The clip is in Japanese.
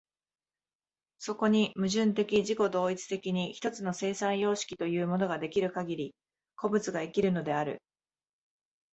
そこに矛盾的自己同一的に一つの生産様式というものが出来るかぎり、個物が生きるのである。